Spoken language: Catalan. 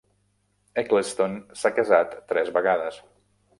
Ecclestone s'ha casat tres vegades.